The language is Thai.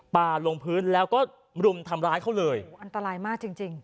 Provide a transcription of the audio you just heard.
ลงพื้นแล้วก็รุมทำร้ายเขาเลยอันตรายมากจริงจริง